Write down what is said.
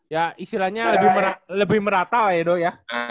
ya istilahnya lebih merata lah ya dok ya